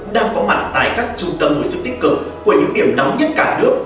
đang phóng mặt tại các trung tâm hồi sức tích cực của những điểm nóng nhất cả nước